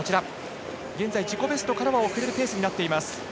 現在自己ベストからは遅れるペースになっています。